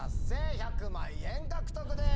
１００万円獲得です！